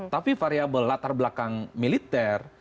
tapi variable latar belakang militer